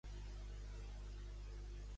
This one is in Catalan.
El llibre Aroma àrab.